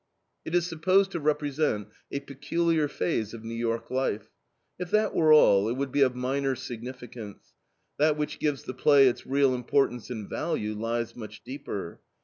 It is supposed to represent a "peculiar phase" of New York life. If that were all, it would be of minor significance. That which gives the play its real importance and value lies much deeper.